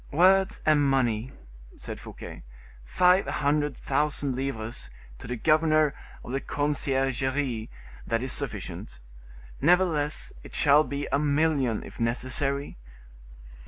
"Words and money," said Fouquet, "five hundred thousand livres to the governor of the conciergerie that is sufficient; nevertheless, it shall be a million, if necessary."